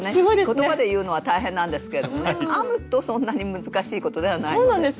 言葉で言うのは大変なんですけどもね編むとそんなに難しいことではないので。